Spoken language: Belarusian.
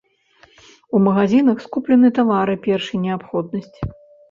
У магазінах скуплены тавары першай неабходнасці.